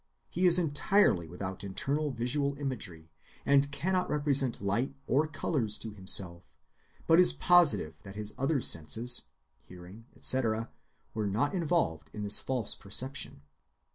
He is entirely without internal visual imagery and cannot represent light or colors to himself, and is positive that his other senses, hearing, etc., were not involved in this false perception.